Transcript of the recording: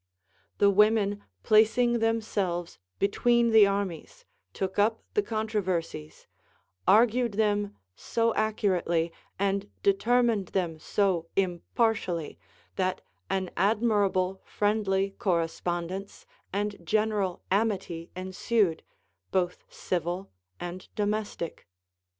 The women placing themselves between the armies, took up the controversies, argued them so accurately, and determined them so impartially, 34:8 CONCERNING THE VIRTUES OF WOMEN. that an admirable friendly correspondence and general amity ensued, both civil and domestic.